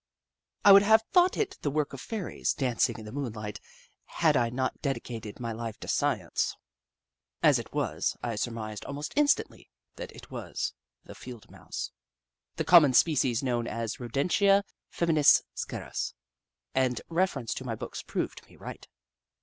I would have thought it the work of fairies, dancing in the moonlight, had I not dedicated my life to Science. As it was, I surmised almost instantly that it was the Field Mouse — the common species, known as rodentia fem inis scariis, and reference to my books proved me ricrht.